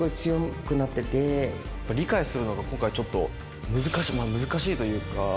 理解するのが今回ちょっと難しいというか。